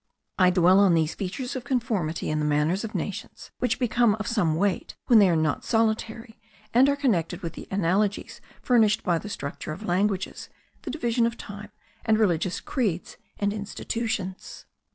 I dwell on these features of conformity in the manners of nations, which become of some weight when they are not solitary, and are connected with the analogies furnished by the structure of languages, the division of time, and religious creeds and institutions.